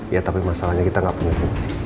ya tapi masalahnya kita gak punya bu